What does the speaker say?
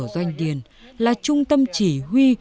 doanh điển là trung tâm chỉ huyện